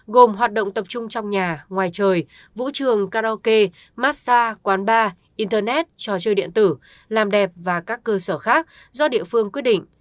gồm hoạt động tập trung trong nhà ngoài trời vũ trường karaoke massage quán bar internet trò chơi điện tử làm đẹp và các cơ sở khác do địa phương quyết định